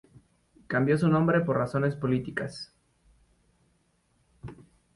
Cambió su nombre por razones políticas.